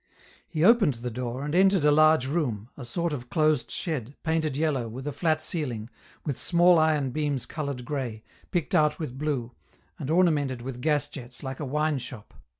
He opened the door, and entered a large room, a sort of closed shed, painted yellow, with a flat ceiling, with small iron beams coloured grey, picked out with blue, and orna mented with gas jets like a wine shop.